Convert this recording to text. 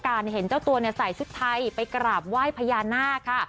เห็นเจ้าตัวใส่ชุดไทยไปกราบไหว้พญานาคค่ะ